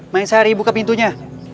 maeng sari buka pintunya